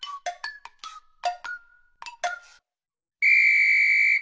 ピッ！